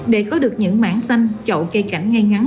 để có được những mảng xanh chậu cây cảnh ngay ngắn